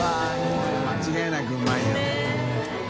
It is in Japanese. これ間違いなくうまいよ。